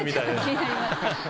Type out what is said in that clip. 気になります。